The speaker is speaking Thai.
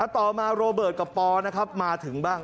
ต่อมาโรเบิร์ตกับปอนะครับมาถึงบ้าง